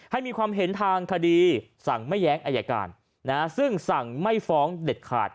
ให้มีความเห็นทางคดีสั่งไม่แย้งอายการซึ่งสั่งไม่ฟ้องเด็ดขาด